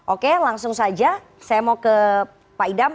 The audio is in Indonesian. oke langsung saja saya mau ke pak idam